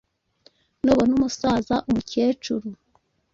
Nubona umusaza, umukecuru,